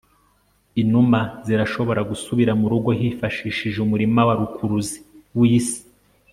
inuma zirashobora gusubira murugo zifashishije umurima wa rukuruzi wisi